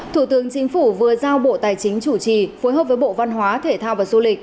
thủ tướng chính phủ vừa giao bộ tài chính chủ trì phối hợp với bộ văn hóa thể thao và du lịch